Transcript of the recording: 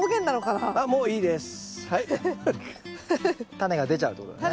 タネが出ちゃうってことだね。